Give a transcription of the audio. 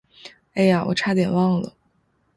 哎呀，我差点忘了。